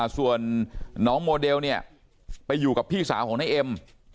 ส่วนน้องโมเดลเนี่ยไปอยู่กับพี่สาวของนายเอ็ม